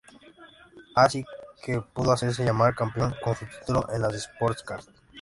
Ahí sí que pudo hacerse llamar campeón, con su título en las Sportscar.